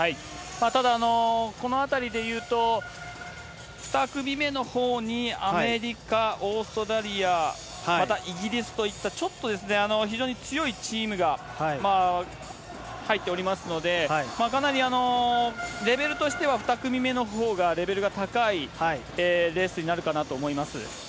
ただ、このあたりで言うと、２組目のほうにアメリカ、オーストラリア、またイギリスといった、ちょっと、非常に強いチームが入っておりますので、かなりレベルとしては、２組目のほうがレベルが高いレースになるかなと思います。